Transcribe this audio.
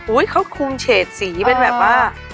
เขาคุมเฉดสีเป็นแบบว่า